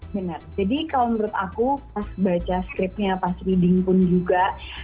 benar jadi kalau menurut aku pas baca scriptnya pas reading pun juga